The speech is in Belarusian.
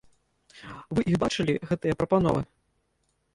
Вы іх бачылі, гэтыя прапановы?